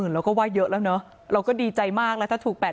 เราก็ว่าเยอะแล้วเนอะเราก็ดีใจมากแล้วถ้าถูก๘๐๐